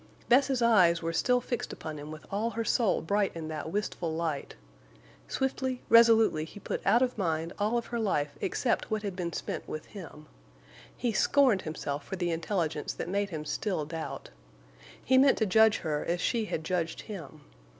Bess's eyes were still fixed upon him with all her soul bright in that wistful light. Swiftly, resolutely he put out of mind all of her life except what had been spent with him. He scorned himself for the intelligence that made him still doubt. He meant to judge her as she had judged him.